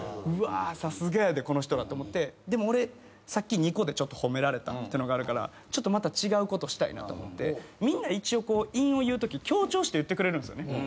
うわさすがやでこの人らと思ってでも俺さっき２個で褒められたってのがあるからちょっとまた違うことしたいなと思ってみんな一応韻を言うとき強調して言ってくれるんですよね。